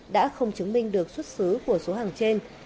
đã không chứng minh được xuất xứ của số hàng trên